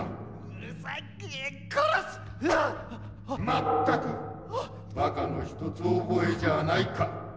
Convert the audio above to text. まったくバカの一つ覚えじゃないか。